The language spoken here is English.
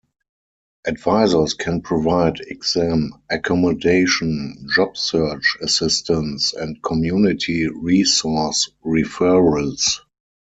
Advisors can provide exam accommodation, job search assistance, and community resource referrals.